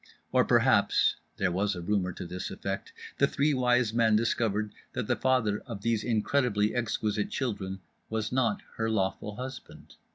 Or perhaps (there was a rumour to this effect) The Three Wise Men discovered that the father of these incredibly exquisite children was not her lawful husband.